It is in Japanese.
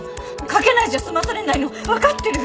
書けないじゃ済まされないの分かってる！